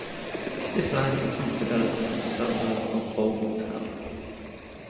This land has since developed into the suburb of Vogeltown.